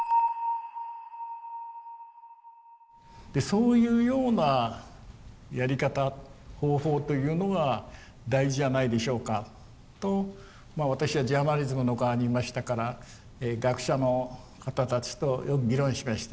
そういうようなやり方方法というのが大事じゃないでしょうかと私はジャーナリズムの側にいましたから学者の方たちとよく議論しました。